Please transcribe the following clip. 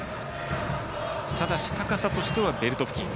ただし、高さとしてはベルト付近。